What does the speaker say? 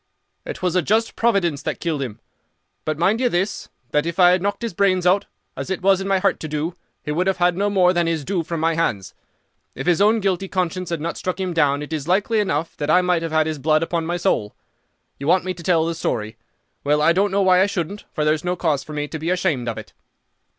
"It was a just providence that killed him. But, mind you this, that if I had knocked his brains out, as it was in my heart to do, he would have had no more than his due from my hands. If his own guilty conscience had not struck him down it is likely enough that I might have had his blood upon my soul. You want me to tell the story. Well, I don't know why I shouldn't, for there's no cause for me to be ashamed of it.